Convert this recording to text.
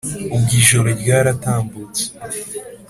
ubwo ijoro ryaratambutse